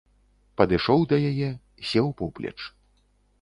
Падышоў да яе, сеў поплеч.